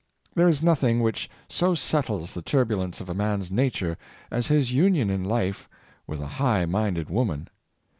There is nothing which so settles the turbulence of a man's nature as his union in life with a high minded woman.